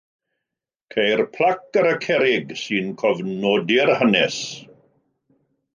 Ceir plac ar y cerrig sy'n cofnodi'r hanes.